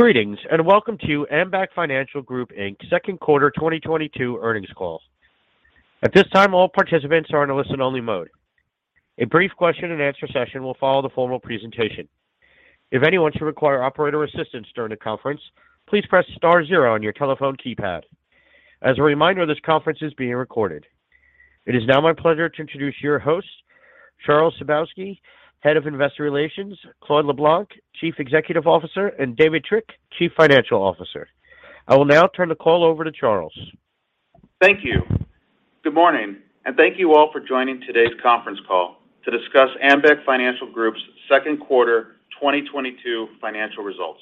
Greetings, and welcome to Ambac Financial Group, Inc.'s Second Quarter 2022 Earnings Call. At this time, all participants are in a listen-only mode. A brief question-and-answer session will follow the formal presentation. If anyone should require operator assistance during the conference, please press star zero on your telephone keypad. As a reminder, this conference is being recorded. It is now my pleasure to introduce your host, Charles Sebaski, Head of Investor Relations, Claude LeBlanc, Chief Executive Officer, and David Trick, Chief Financial Officer. I will now turn the call over to Charles. Thank you. Good morning, and thank you all for joining today's conference call to discuss Ambac Financial Group's second quarter 2022 financial results.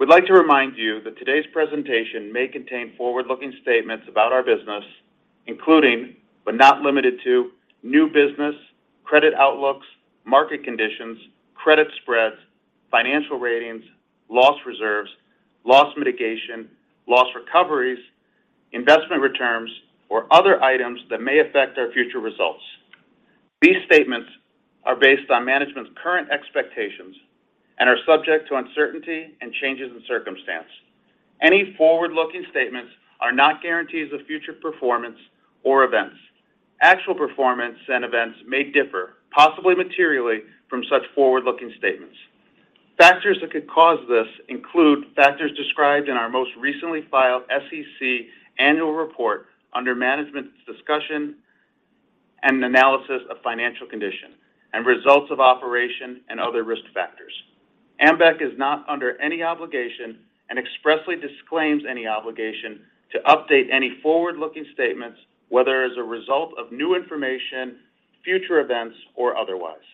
We'd like to remind you that today's presentation may contain forward-looking statements about our business, including, but not limited to, new business, credit outlooks, market conditions, credit spreads, financial ratings, loss reserves, loss mitigation, loss recoveries, investment returns, or other items that may affect our future results. These statements are based on management's current expectations and are subject to uncertainty and changes in circumstance. Any forward-looking statements are not guarantees of future performance or events. Actual performance and events may differ, possibly materially, from such forward-looking statements. Factors that could cause this include factors described in our most recently filed SEC annual report under Management's Discussion and Analysis of Financial Condition and Results of Operations and other risk factors. Ambac is not under any obligation, and expressly disclaims any obligation to update any forward-looking statements, whether as a result of new information, future events, or otherwise.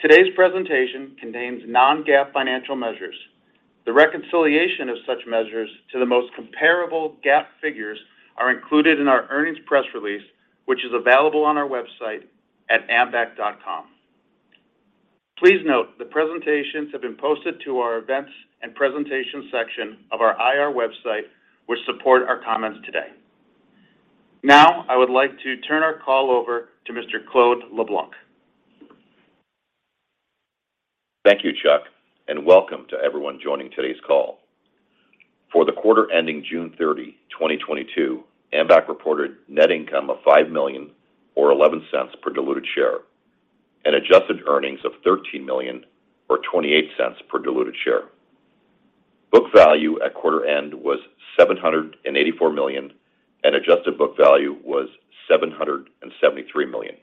Today's presentation contains non-GAAP financial measures. The reconciliation of such measures to the most comparable GAAP figures are included in our earnings press release, which is available on our website at ambac.com. Please note, the presentations have been posted to our Events and Presentation section of our IR website, which support our comments today. Now, I would like to turn our call over to Mr. Claude LeBlanc. Thank you, Chuck, and welcome to everyone joining today's call. For the quarter ending June 30, 2022, Ambac reported net income of $5 million or $0.11 per diluted share, and adjusted earnings of $13 million or $0.28 per diluted share. Book value at quarter end was $784 million, and adjusted book value was $773 million.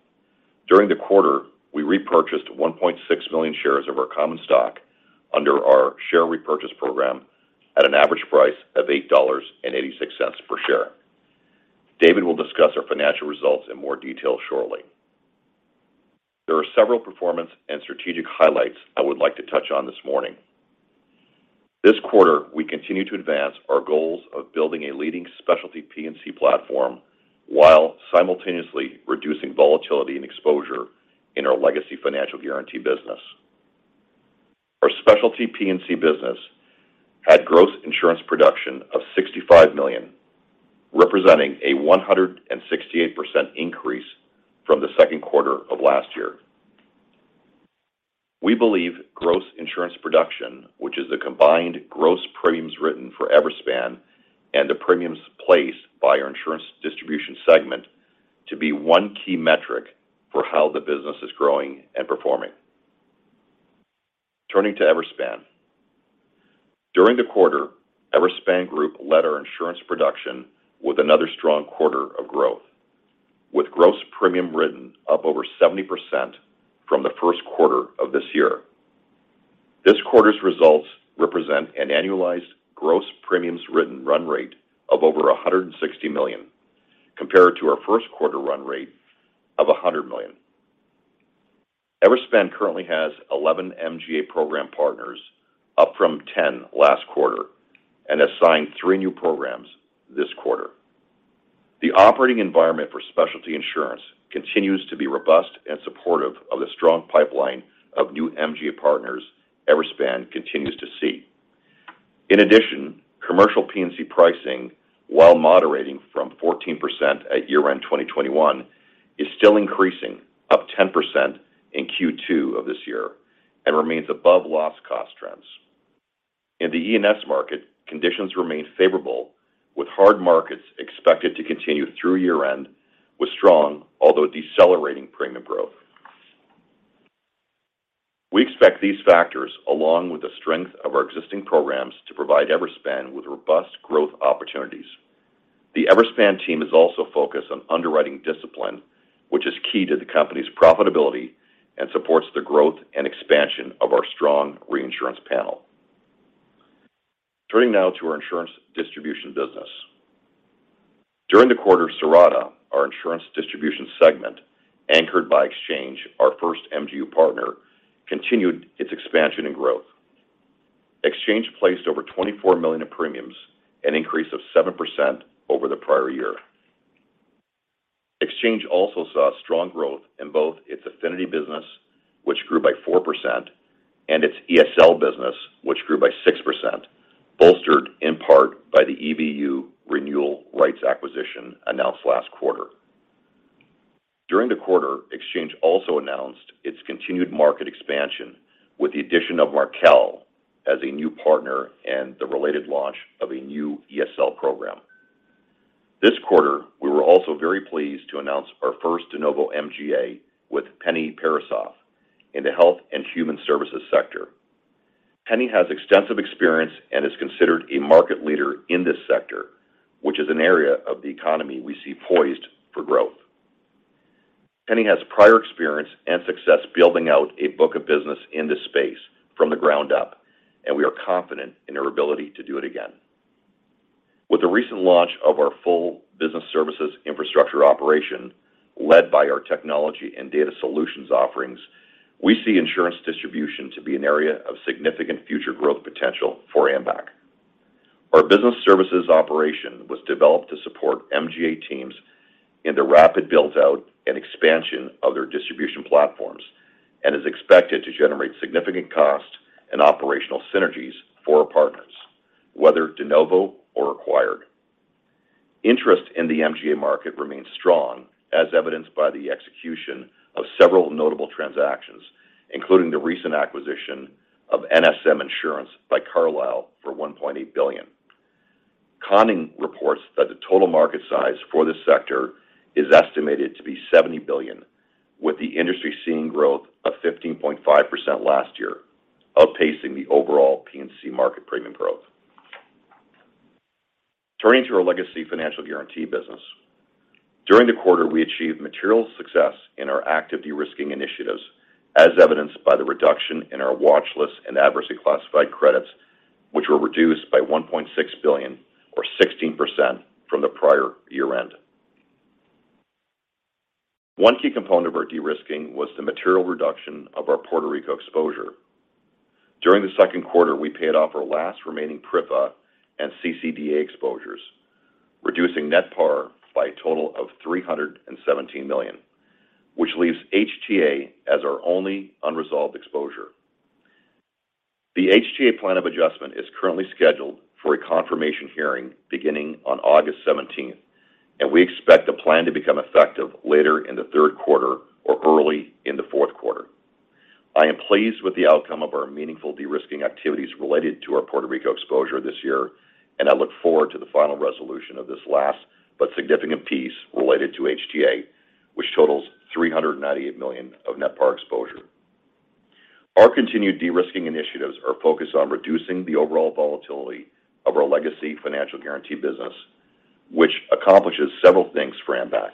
During the quarter, we repurchased 1.6 million shares of our common stock under our share repurchase program at an average price of $8.86 per share. David will discuss our financial results in more detail shortly. There are several performance and strategic highlights I would like to touch on this morning. This quarter, we continue to advance our goals of building a leading specialty P&C platform while simultaneously reducing volatility and exposure in our legacy financial guarantee business. Our specialty P&C business had gross insurance production of $65 million, representing a 168% increase from the second quarter of last year. We believe gross insurance production, which is the combined gross premiums written for Everspan and the premiums placed by our Insurance Distribution segment to be one key metric for how the business is growing and performing. Turning to Everspan. During the quarter, Everspan Group led our insurance production with another strong quarter of growth, with gross premium written up over 70% from the first quarter of this year. This quarter's results represent an annualized gross premiums written run rate of over $160 million compared to our first quarter run rate of $100 million. Everspan currently has 11 MGA program partners, up from 10 last quarter and has signed three new programs this quarter. The operating environment for specialty insurance continues to be robust and supportive of the strong pipeline of new MGA partners Everspan continues to see. In addition, commercial P&C pricing, while moderating from 14% at year-end 2021, is still increasing up 10% in Q2 of this year and remains above loss cost trends. In the E&S market, conditions remain favorable with hard markets expected to continue through year-end with strong, although decelerating premium growth. We expect these factors, along with the strength of our existing programs, to provide Everspan with robust growth opportunities. The Everspan team is also focused on underwriting discipline, which is key to the company's profitability and supports the growth and expansion of our strong reinsurance panel. Turning now to our Insurance Distribution business. During the quarter, Cirrata, our Insurance Distribution segment, anchored by Xchange, our first MGU partner, continued its expansion and growth. Xchange placed over $24 million in premiums, an increase of 7% over the prior year. Xchange also saw strong growth in both its affinity business, which grew by 4%, and its ESL business, which grew by 6%, bolstered in part by the EBU renewal rights acquisition announced last quarter. During the quarter, Xchange also announced its continued market expansion with the addition of Markel as a new partner and the related launch of a new ESL program. This quarter, we were also very pleased to announce our first de novo MGA with Penny Parisoff in the health and human services sector. Penny has extensive experience and is considered a market leader in this sector, which is an area of the economy we see poised for growth. Penny has prior experience and success building out a book of business in this space from the ground up, and we are confident in her ability to do it again. With the recent launch of our full business services infrastructure operation, led by our technology and data solutions offerings, we see Insurance Distribution to be an area of significant future growth potential for Ambac. Our business services operation was developed to support MGA teams in the rapid build-out and expansion of their distribution platforms and is expected to generate significant cost and operational synergies for our partners, whether de novo or acquired. Interest in the MGA market remains strong, as evidenced by the execution of several notable transactions, including the recent acquisition of NSM Insurance Group by Carlyle for $1.8 billion. Conning reports that the total market size for this sector is estimated to be $70 billion, with the industry seeing growth of 15.5% last year, outpacing the overall P&C market premium growth. Turning to our legacy financial guarantee business. During the quarter, we achieved material success in our active de-risking initiatives, as evidenced by the reduction in our watch list and adversity classified credits, which were reduced by $1.6 billion or 16% from the prior year-end. One key component of our de-risking was the material reduction of our Puerto Rico exposure. During the second quarter, we paid off our last remaining PRIFA and CCDA exposures, reducing net par by a total of $317 million, which leaves HTA as our only unresolved exposure. The HTA plan of adjustment is currently scheduled for a confirmation hearing beginning on August 17th, and we expect the plan to become effective later in the third quarter or early in the fourth quarter. I am pleased with the outcome of our meaningful de-risking activities related to our Puerto Rico exposure this year, and I look forward to the final resolution of this last but significant piece related to HTA, which totals $398 million of net par exposure. Our continued de-risking initiatives are focused on reducing the overall volatility of our legacy financial guarantee business, which accomplishes several things for Ambac.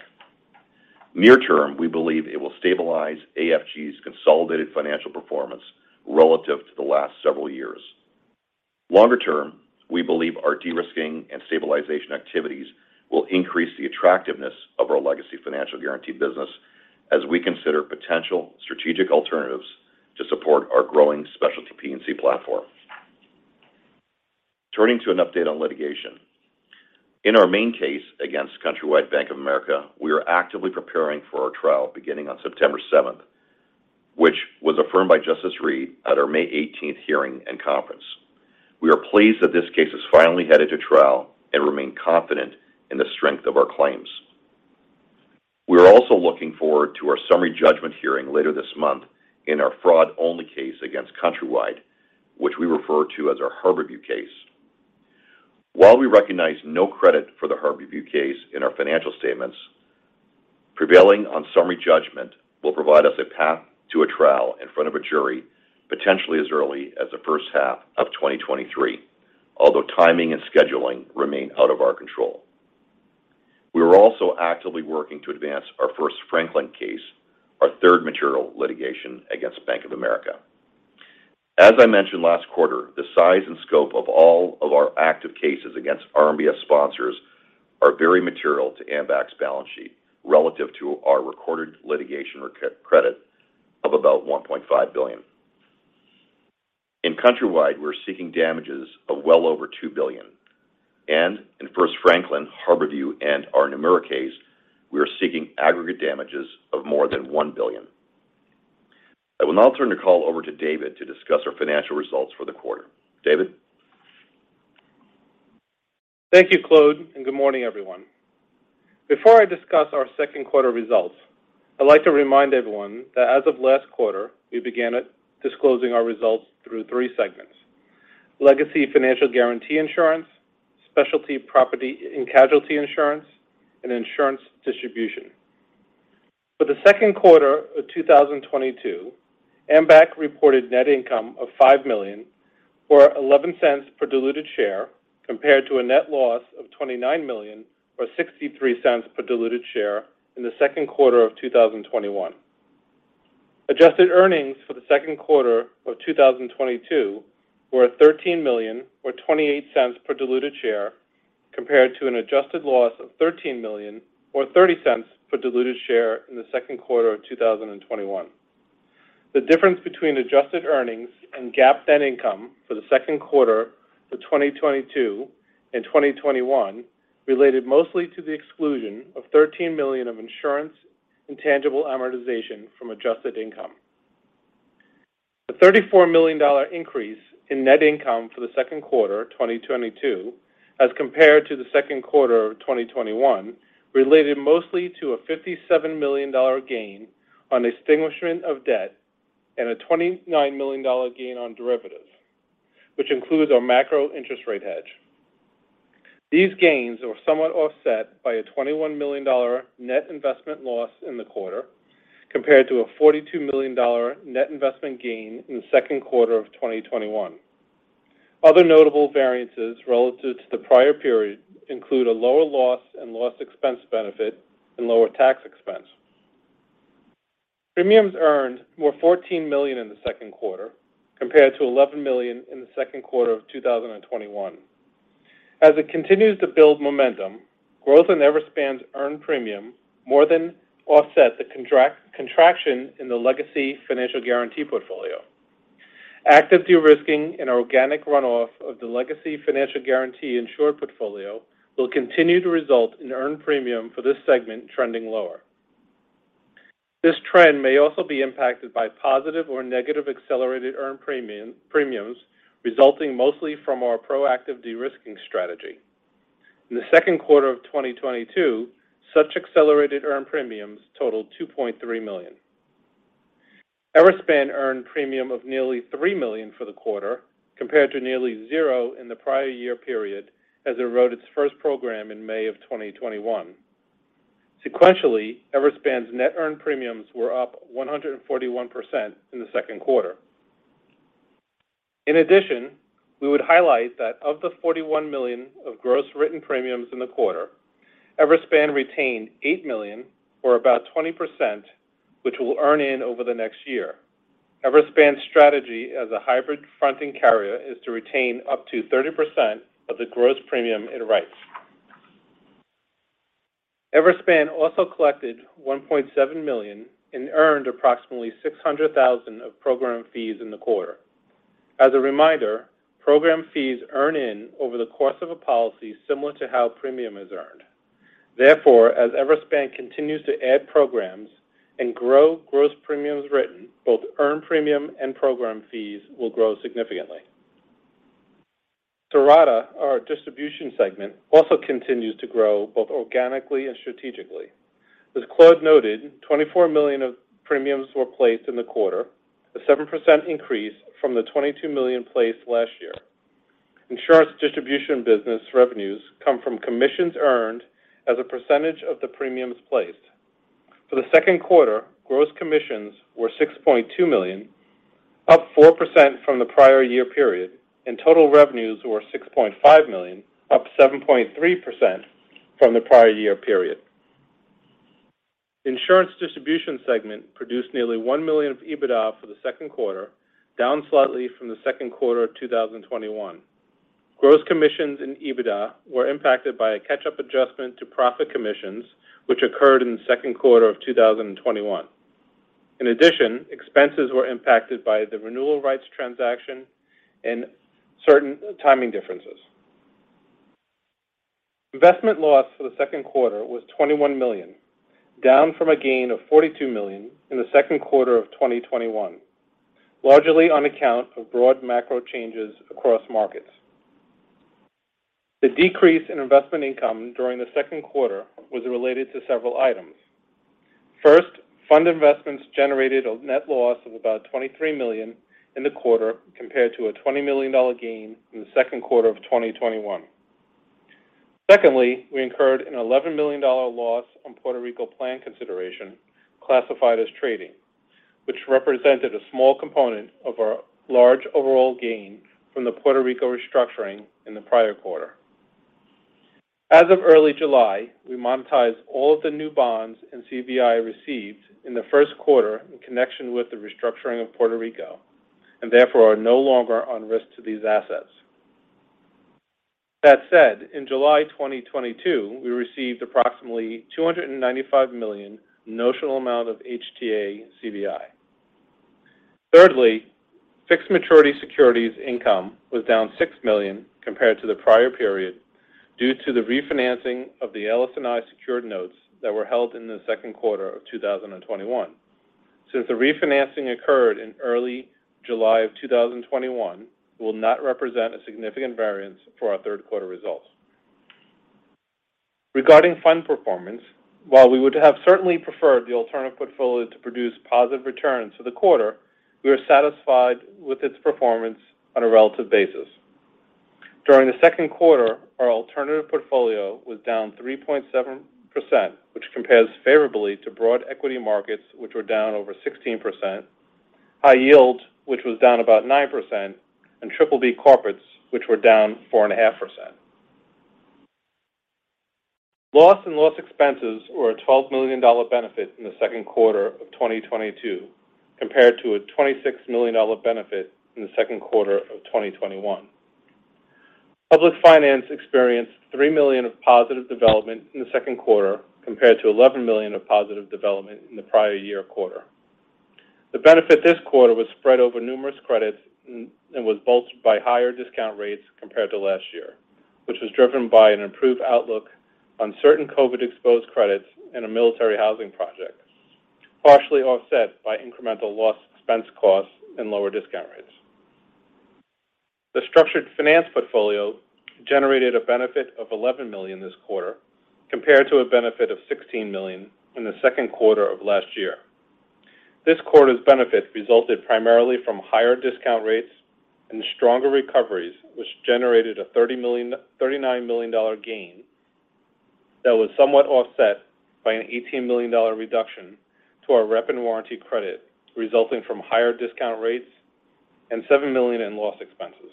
Near term, we believe it will stabilize AFG's consolidated financial performance relative to the last several years. Longer term, we believe our de-risking and stabilization activities will increase the attractiveness of our legacy financial guarantee business as we consider potential strategic alternatives to support our growing specialty P&C platform. Turning to an update on litigation. In our main case against Countrywide, Bank of America, we are actively preparing for our trial beginning on September 7th, which was affirmed by Justice Reed at our May 18th hearing and conference. We are pleased that this case is finally headed to trial and remain confident in the strength of our claims. We are also looking forward to our summary judgment hearing later this month in our fraud-only case against Countrywide, which we refer to as our Harborview case. While we recognize no credit for the Harborview case in our financial statements, prevailing on summary judgment will provide us a path to a trial in front of a jury, potentially as early as the first half of 2023. Although timing and scheduling remain out of our control. We are also actively working to advance our First Franklin case, our third material litigation against Bank of America. As I mentioned last quarter, the size and scope of all of our active cases against RMBS sponsors are very material to Ambac's balance sheet relative to our recorded litigation recovery credit of about $1.5 billion. In Countrywide, we're seeking damages of well over $2 billion. In First Franklin, Harborview, and our Nomura case, we are seeking aggregate damages of more than $1 billion. I will now turn the call over to David to discuss our financial results for the quarter. David? Thank you, Claude, and good morning, everyone. Before I discuss our second quarter results, I'd like to remind everyone that as of last quarter, we began disclosing our results through three segments: Legacy Financial Guarantee Insurance, Specialty Property and Casualty Insurance, and Insurance Distribution. For the second quarter of 2022, Ambac reported net income of $5 million or $0.11 per diluted share, compared to a net loss of $29 million or $0.63 per diluted share in the second quarter of 2021. Adjusted earnings for the second quarter of 2022 were $13 million or $0.28 per diluted share, compared to an adjusted loss of $13 million or $0.30 per diluted share in the second quarter of 2021. The difference between adjusted earnings and GAAP net income for the second quarter for 2022 and 2021 related mostly to the exclusion of $13 million of insurance intangible amortization from adjusted income. The $34 million increase in net income for the second quarter of 2022, as compared to the second quarter of 2021, related mostly to a $57 million gain on extinguishment of debt and a $29 million gain on derivatives, which includes our macro interest rate hedge. These gains were somewhat offset by a $21 million net investment loss in the quarter compared to a $42 million net investment gain in the second quarter of 2021. Other notable variances relative to the prior period include a lower loss and loss expense benefit and lower tax expense. Premiums earned were $14 million in the second quarter compared to $11 million in the second quarter of 2021. As it continues to build momentum, growth in Everspan's earned premium more than offset the contraction in the legacy financial guarantee portfolio. Active de-risking and organic runoff of the legacy financial guarantee insured portfolio will continue to result in earned premium for this segment trending lower. This trend may also be impacted by positive or negative accelerated earned premiums resulting mostly from our proactive de-risking strategy. In the second quarter of 2022, such accelerated earned premiums totaled $2.3 million. Everspan earned premium of nearly $3 million for the quarter, compared to nearly zero in the prior year period as it wrote its first program in May of 2021. Sequentially, Everspan's net earned premiums were up 141% in the second quarter. In addition, we would highlight that of the $41 million of gross written premiums in the quarter, Everspan retained $8 million, or about 20%, which we'll earn in over the next year. Everspan's strategy as a hybrid fronting carrier is to retain up to 30% of the gross premium it writes. Everspan also collected $1.7 million and earned approximately $600,000 of program fees in the quarter. As a reminder, program fees earn in over the course of a policy similar to how premium is earned. Therefore, as Everspan continues to add programs and grow gross premiums written, both earned premium and program fees will grow significantly. Cirrata, our distribution segment, also continues to grow both organically and strategically. As Claude noted, $24 million of premiums were placed in the quarter, a 7% increase from the $22 million placed last year. Insurance Distribution business revenues come from commissions earned as a percentage of the premiums placed. For the second quarter, gross commissions were $6.2 million, up 4% from the prior year period, and total revenues were $6.5 million, up 7.3% from the prior year period. The Insurance Distribution segment produced nearly $1 million of EBITDA for the second quarter, down slightly from the second quarter of 2021. Gross commissions in EBITDA were impacted by a catch-up adjustment to profit commissions which occurred in the second quarter of 2021. In addition, expenses were impacted by the renewal rights transaction and certain timing differences. Investment loss for the second quarter was $21 million, down from a gain of $42 million in the second quarter of 2021, largely on account of broad macro changes across markets. The decrease in investment income during the second quarter was related to several items. First, fund investments generated a net loss of about $23 million in the quarter compared to a $20 million gain in the second quarter of 2021. Secondly, we incurred an $11 million loss on Puerto Rico plan consideration classified as trading, which represented a small component of our large overall gain from the Puerto Rico restructuring in the prior quarter. As of early July, we monetized all of the new bonds and CVI received in the first quarter in connection with the restructuring of Puerto Rico, and therefore are no longer on risk to these assets. That said, in July 2022, we received approximately $295 million notional amount of HTA CVI. Thirdly, fixed maturity securities income was down $6 million compared to the prior period due to the refinancing of the LSNI secured notes that were held in the second quarter of 2021. Since the refinancing occurred in early July of 2021, it will not represent a significant variance for our third quarter results. Regarding fund performance, while we would have certainly preferred the alternative portfolio to produce positive returns for the quarter, we are satisfied with its performance on a relative basis. During the second quarter, our alternative portfolio was down 3.7%, which compares favorably to broad equity markets which were down over 16%, high yield, which was down about 9%, and triple B corporates, which were down 4.5%. Loss and loss expenses were a $12 million benefit in the second quarter of 2022, compared to a $26 million benefit in the second quarter of 2021. Public finance experienced $3 million of positive development in the second quarter, compared to $11 million of positive development in the prior year quarter. The benefit this quarter was spread over numerous credits and was bolstered by higher discount rates compared to last year, which was driven by an improved outlook on certain COVID-exposed credits and a military housing project, partially offset by incremental loss expense costs and lower discount rates. The structured finance portfolio generated a benefit of $11 million this quarter, compared to a benefit of $16 million in the second quarter of last year. This quarter's benefit resulted primarily from higher discount rates and stronger recoveries, which generated a $39 million gain that was somewhat offset by an $18 million reduction to our rep and warranty credit, resulting from higher discount rates and $7 million in loss expenses.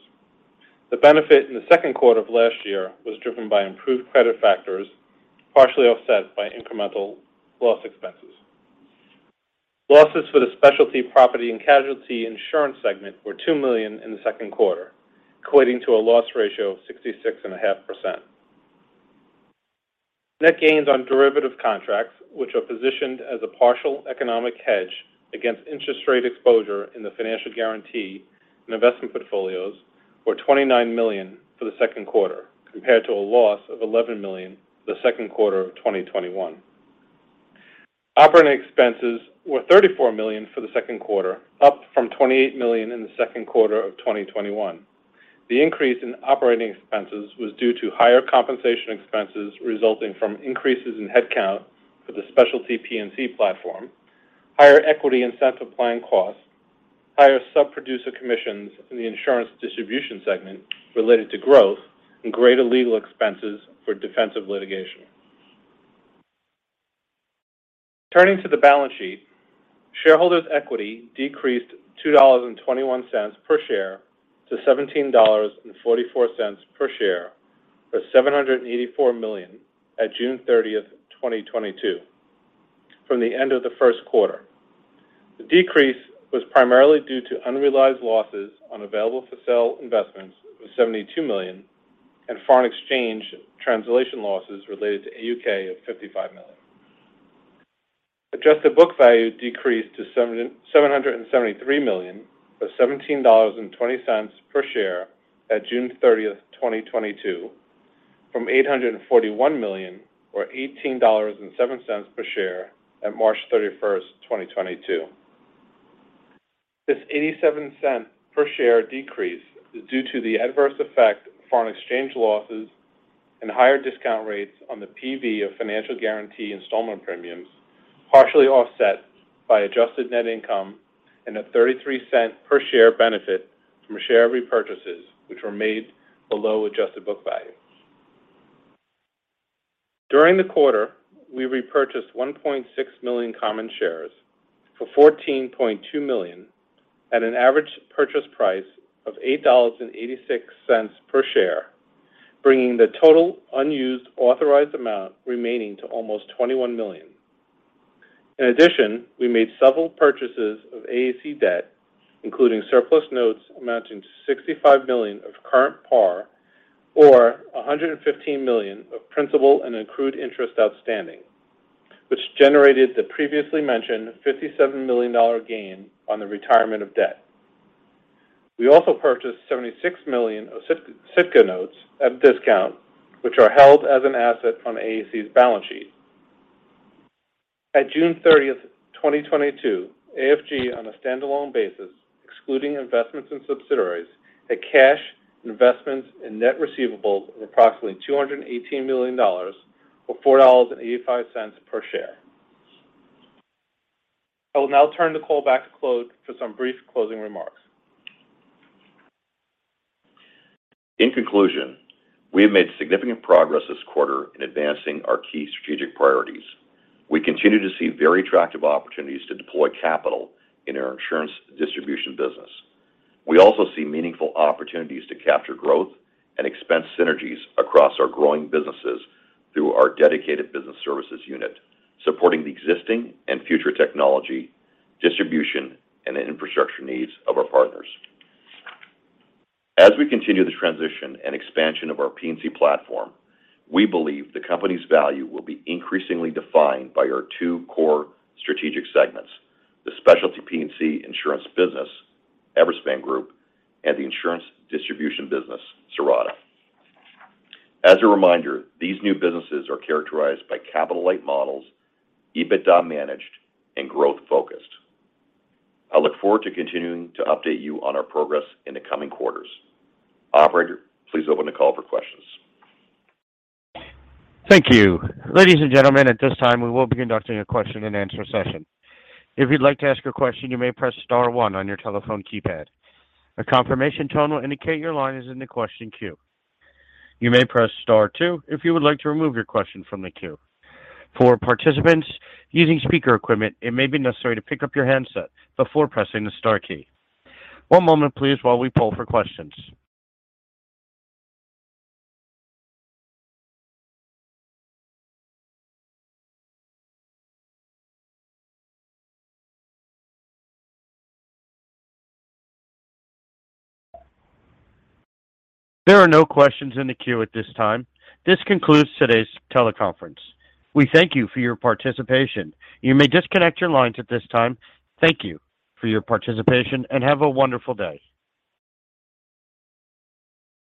The benefit in the second quarter of last year was driven by improved credit factors, partially offset by incremental loss expenses. Losses for the Specialty Property and Casualty Insurance segment were $2 million in the second quarter, equating to a loss ratio of 66.5%. Net gains on derivative contracts, which are positioned as a partial economic hedge against interest rate exposure in the financial guarantee and investment portfolios, were $29 million for the second quarter, compared to a loss of $11 million for the second quarter of 2021. Operating expenses were $34 million for the second quarter, up from $28 million in the second quarter of 2021. The increase in operating expenses was due to higher compensation expenses resulting from increases in headcount for the specialty P&C platform, higher equity incentive plan costs, higher sub-producer commissions in the Insurance Distribution segment related to growth and greater legal expenses for defensive litigation. Turning to the balance sheet, shareholders' equity decreased $2.21 per share to $17.44 per share, or $784 million at June 30, 2022, from the end of the first quarter. The decrease was primarily due to unrealized losses on available for sale investments of $72 million and foreign exchange translation losses related to AUK of $55 million. Adjusted book value decreased to $773 million, or $17.20 per share at June 30th, 2022, from $841 million or $18.07 per share at March 31st, 2022. This $0.87 per share decrease is due to the adverse effect of foreign exchange losses and higher discount rates on the PV of financial guarantee installment premiums, partially offset by adjusted net income and a $0.33 per share benefit from share repurchases which were made below adjusted book value. During the quarter, we repurchased 1.6 million common shares for $14.2 million at an average purchase price of $8.86 per share, bringing the total unused authorized amount remaining to almost 21 million. In addition, we made several purchases of AAC debt, including surplus notes amounting to $65 million of current par, or $115 million of principal and accrued interest outstanding, which generated the previously mentioned $57 million dollar gain on the retirement of debt. We also purchased $76 million of Sitka notes at a discount, which are held as an asset on AAC's balance sheet. At June 30th, 2022, AFG on a standalone basis, excluding investments in subsidiaries, had cash, investments, and net receivables of approximately $218 million or $4.85 per share. I will now turn the call back to Claude for some brief closing remarks. In conclusion, we have made significant progress this quarter in advancing our key strategic priorities. We continue to see very attractive opportunities to deploy capital in our Insurance Distribution business. We also see meaningful opportunities to capture growth and expense synergies across our growing businesses through our dedicated business services unit, supporting the existing and future technology, distribution, and infrastructure needs of our partners. As we continue the transition and expansion of our P&C platform, we believe the company's value will be increasingly defined by our two core strategic segments: the specialty P&C insurance business, Everspan Group, and the Insurance Distribution business, Cirrata. As a reminder, these new businesses are characterized by capital-light models, EBITDA managed, and growth-focused. I look forward to continuing to update you on our progress in the coming quarters. Operator, please open the call for questions. Thank you. Ladies and gentlemen, at this time, we will be conducting a question and answer session. If you'd like to ask a question, you may press star one on your telephone keypad. A confirmation tone will indicate your line is in the question queue. You may press star two if you would like to remove your question from the queue. For participants using speaker equipment, it may be necessary to pick up your handset before pressing the star key. One moment please while we poll for questions. There are no questions in the queue at this time. This concludes today's teleconference. We thank you for your participation. You may disconnect your lines at this time. Thank you for your participation, and have a wonderful day.